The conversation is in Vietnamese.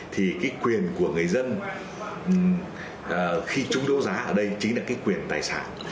thì cái quyền của người dân khi chúng đấu giá ở đây chính là cái quyền tài sản